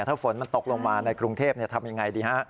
ถ้าฝนมันตกลงมาในกรุงเทพทำยังไงดีฮะ